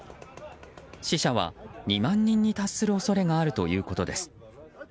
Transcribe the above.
死者は２万人に達する恐れがあるということです。